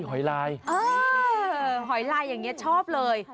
หอยลายหอยลายอย่างนี้ชอบเลย